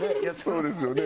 そうですよね。